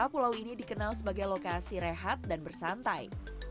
pulau ini dikenal sebagai lokasi rehat dan bersantai